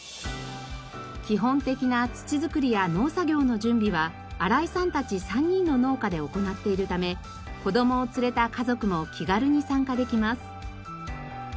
基本的な土づくりや農作業の準備は荒井さんたち３人の農家で行っているため子供を連れた家族も気軽に参加できます。